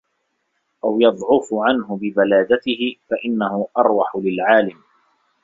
أَوْ يَضْعُفُ عَنْهُ بِبَلَادَتِهِ فَإِنَّهُ أَرْوَحُ لِلْعَالِمِ